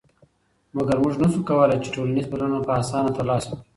مګر موږ نشو کولی چې ټولنیز بدلون په اسانه تر لاسه کړو.